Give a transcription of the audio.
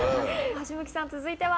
橋向さん続いては？